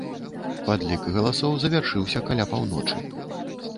Падлік галасоў завяршыўся каля паўночы.